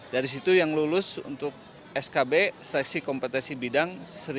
dari situ yang lulus untuk skb seleksi kompetensi bidang seribu tujuh ratus tiga puluh